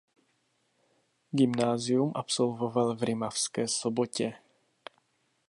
Gymnázium absolvoval v Rimavské Sobotě.